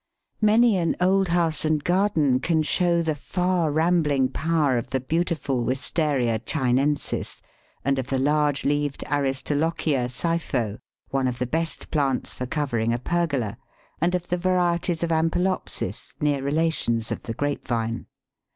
Many an old house and garden can show the far rambling power of the beautiful Wistaria Chinensis, and of the large leaved Aristolochia Sipho, one of the best plants for covering a pergola, and of the varieties of Ampelopsis, near relations of the Grape Vine.